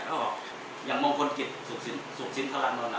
เขาบอกอย่างมงคลกิจสุขสินทรรณนอนน่ะ